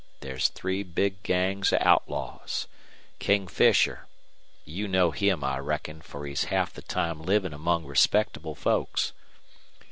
There's three big gangs of outlaws. King Fisher you know him, I reckon, fer he's half the time livin' among respectable folks.